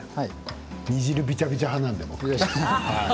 煮汁びじゃびじゃ派なんですよ。